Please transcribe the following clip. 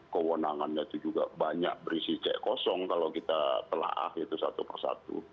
kewenangannya itu juga banyak berisi cek kosong kalau kita telah ah itu satu persatu